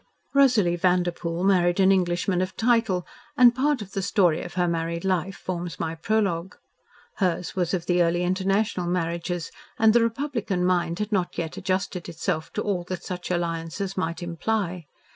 Rosalie Vanderpoel married an Englishman of title, and part of the story of her married life forms my prologue. Hers was of the early international marriages, and the republican mind had not yet adjusted itself to all that such alliances might imply.